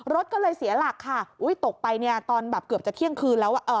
รถก็เลยเสียหลักค่ะอุ้ยตกไปเนี่ยตอนแบบเกือบจะเที่ยงคืนแล้วเอ่อ